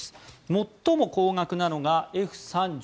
最も高額なのがＦ３５Ａです。